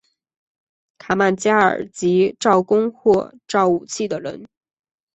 卡曼加尔即造弓或造武器的人。